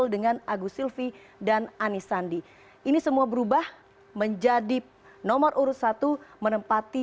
dan di dua puluh tahun